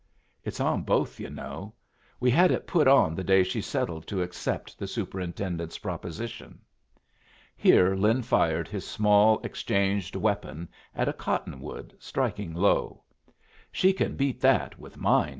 "It's on both, yu' know. We had it put on the day she settled to accept the superintendent's proposition." Here Lin fired his small exchanged weapon at a cotton wood, striking low. "She can beat that with mine!"